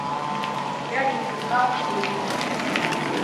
Я и не знал, что ты тут.